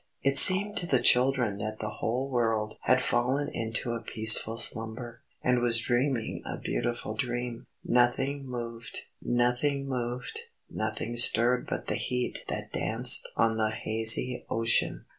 It seemed to the children that the whole world had fallen into a peaceful slumber, and was dreaming a beautiful dream. Nothing moved, nothing stirred but the heat that danced on the hazy ocean.